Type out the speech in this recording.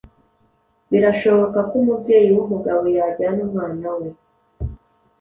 Birashoboka ko umubyeyi w’umugabo yajyana umwana we